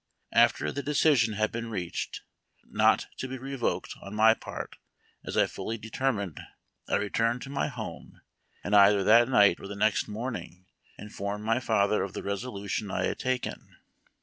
After the decision had been reached, not to be revoked on my part as 1 fully determined, I returned to my home, and either that night or the next morning informed my father of the resolution I had taken.